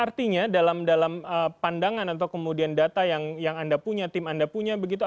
artinya dalam pandangan atau kemudian data yang anda punya tim anda punya begitu